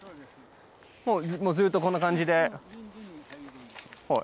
もうずっとこんな感じで？